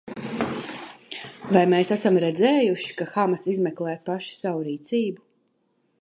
Vai mēs esam redzējuši, ka Hamas izmeklē paši savu rīcību?